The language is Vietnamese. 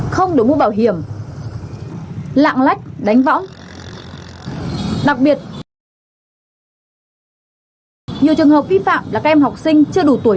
không đội mũ bảo hiểm lạng lách đánh vóng đặc biệt nhiều trường hợp vi phạm là các em học sinh chưa đủ tuổi